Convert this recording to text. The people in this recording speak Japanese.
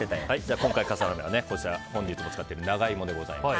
今回の笠原の眼は本日使っている長イモでございます。